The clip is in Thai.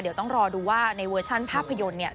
เดี๋ยวต้องรอดูว่าในเวอร์ชันภาพยนตร์เนี่ย